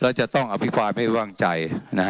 แล้วจะต้องอภิปรายไม่วางใจ